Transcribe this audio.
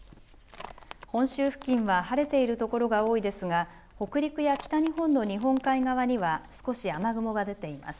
本州付近は晴れている所が多いですが北陸や北日本の日本海側には少し雨雲が出ています。